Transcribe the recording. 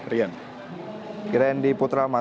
rian rendy putrama